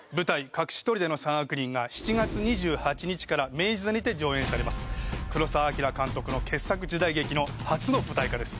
「隠し砦の三悪人」が７月２８日から明治座にて上演されます黒澤明監督の傑作時代劇の初の舞台化です